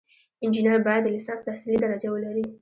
انجینر باید د لیسانس تحصیلي درجه ولري.